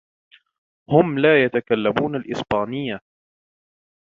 هم لا يتكلمون الإسبانية.